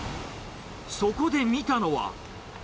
そこで見たのは。